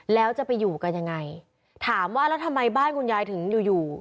แล้วจะไปอยู่กันยังไงถามว่าแล้วทำไมบ้านคุณยายถึงอยู่อยู่